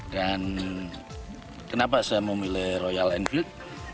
dan kenapa saya memilih royal enfield